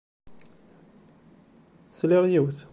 Sliɣ yiwet.